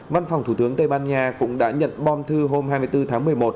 văn phòng thủ tướng tây ban nha cũng đã nhận bom thư hôm hai mươi bốn tháng một mươi một